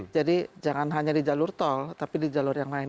jadi jangan hanya di jalur tol tapi di jalur yang lain